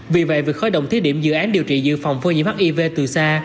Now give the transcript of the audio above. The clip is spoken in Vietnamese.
vì vậy việc khởi động thí điểm dự án điều trị dự phòng phơi nhiễm hiv từ xa